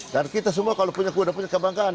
dan kita semua kalau punya kuda punya kebanggaan